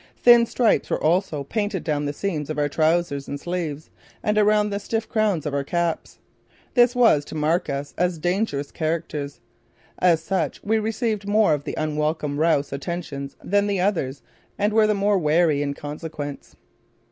Thin stripes were also painted down the seams of our trousers and sleeves and around the stiff crowns of our caps. This was to mark us as dangerous characters. As such we received more of the unwelcome Raus attentions than the others and were the more wary in consequence.